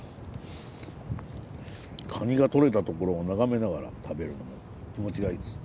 カニがとれた所を眺めながら食べるのも気持ちがいいです。